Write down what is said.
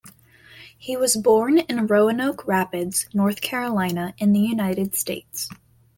He was born in Roanoke Rapids, North Carolina in the United States.